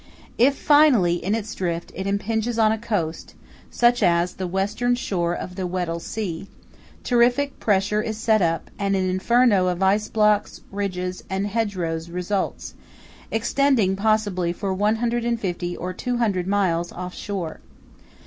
If, finally, in its drift it impinges on a coast, such as the western shore of the Weddell Sea, terrific pressure is set up and an inferno of ice blocks, ridges, and hedgerows results, extending possibly for 150 or 200 miles off shore.